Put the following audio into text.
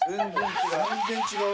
全然違う。